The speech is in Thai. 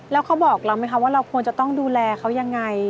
แล้วเขาบอกเราไหมคะว่าเราควรจะต้องดูแลเขายังไง